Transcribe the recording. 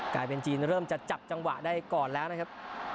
กลายเป็นจีนเริ่มจะจับจังหวะได้ก่อนแล้วนะครับ